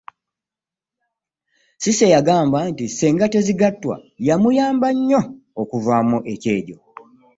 Cissy yagamba nti Ssenga Tezigattwa yamuyamba nnyo okuvaamu ekyejjo.